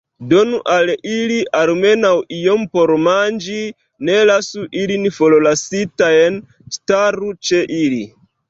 Donu al ili almenaŭ iom por manĝi; ne lasu ilin forlasitajn; staru ĉe ili!